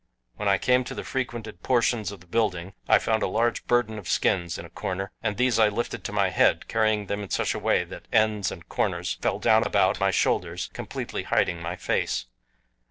When I came to the frequented portions of the building, I found a large burden of skins in a corner and these I lifted to my head, carrying them in such a way that ends and corners fell down about my shoulders completely hiding my face.